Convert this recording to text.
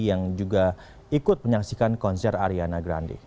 yang juga ikut menyaksikan konser ariana grande